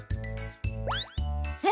え？